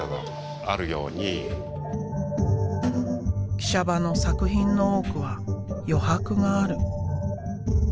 喜舎場の作品の多くは余白がある。